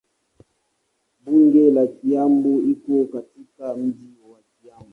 Bunge la Kiambu liko katika mji wa Kiambu.